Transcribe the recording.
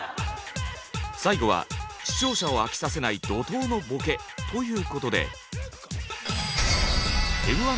最後は視聴者を飽きさせない怒濤のボケということで。